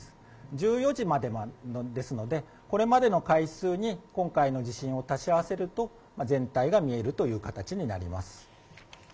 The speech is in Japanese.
１４時までですので、これまでの回数に今回の地震を足し合わせると、全体が見えるという形になります。